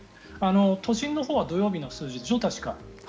都心のほうは土曜日の数字でしょ。